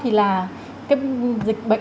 thì là cái dịch bệnh